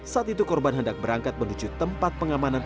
saat itu korban hendak berangkat menuju tempat pengamanan